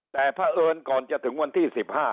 แต่เพราะเอิญก่อนจะถึงวันที่๑๕